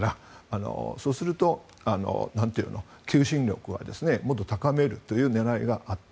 そうすると、求心力をもっと高めるという狙いがあって。